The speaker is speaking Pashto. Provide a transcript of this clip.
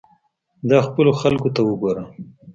دا خپلو خلقو ته وګوره.